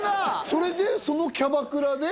それでそのキャバクラで？